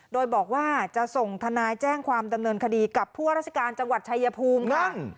โดยบอกว่าจะส่งทนายแจ้งความดำเนินคดีกับผู้ว่าราชการจังหวัดชายภูมิบ้าง